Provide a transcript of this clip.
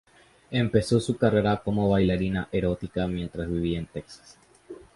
Empezó su carrera como bailarina erótica, mientras vivía en Texas.